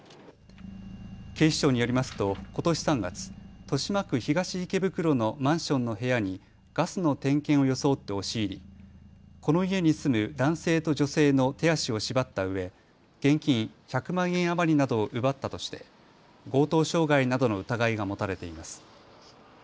警視庁によりますとことし３月、豊島区東池袋のマンションの部屋にガスの点検を装って押し入りこの家に住む男性と女性の手足を縛ったうえ現金１００万円余りなどを奪ったとして強盗傷害などの疑いが持たれています。